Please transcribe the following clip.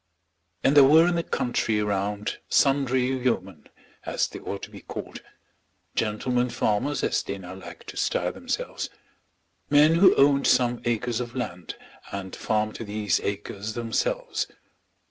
And there were in the country round sundry yeomen, as they ought to be called, gentlemen farmers as they now like to style themselves, men who owned some acres of land, and farmed these acres themselves.